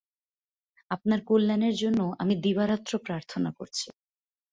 আপনার কল্যাণের জন্য আমি দিবারাত্র প্রার্থনা করছি।